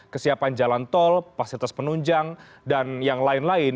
kesiapan jalan tol fasilitas penunjang dan yang lain lain